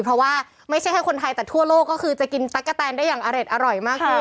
เพราะว่าไม่ใช่แค่คนไทยแต่ทั่วโลกก็คือจะกินตั๊กกะแตนได้อย่างอร่อยมากขึ้น